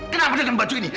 kenapa dengan baju ini